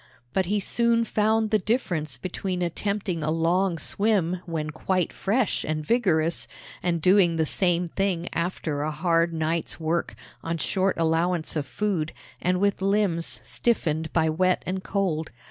But he soon found the difference between attempting a long swim when quite fresh and vigorous, and doing the same thing after a hard night's work, on short allowance of food, and with limbs stiffened by wet and cold.